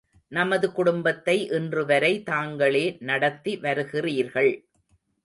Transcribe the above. நமது குடும்பத்தை இன்றுவரை தாங்களே நடத்தி வருகிறீர்கள்.